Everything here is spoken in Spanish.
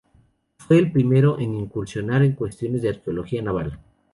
Fue el primero en incursionar en cuestiones de arqueología naval.